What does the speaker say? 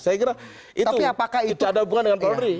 saya kira itu ada hubungan dengan polri